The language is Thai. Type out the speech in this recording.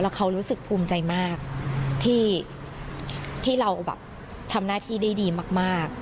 แล้วเขารู้สึกภูมิใจมากที่ที่เราแบบทำหน้าที่ดีมาก